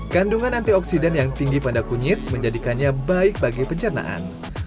kandungan antioksidan yang tinggi pada kunyit menjadikannya baik bagi pencernaan